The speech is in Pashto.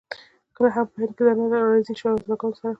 کله هم په هند کې دننه له ناراضي شهزاده ګانو سره.